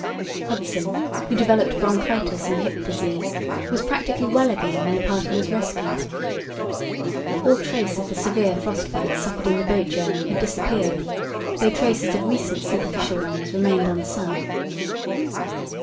Hudson, who developed bronchitis and hip disease, was practically well again when the party was rescued. All trace of the severe frost bites suffered in the boat journey had disappeared, though traces of recent superficial ones remained on some.